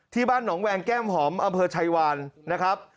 ที่บ้านหนองแวงแก้มหอมอำเภอชัยวานนะครับ